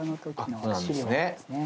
そうなんですね。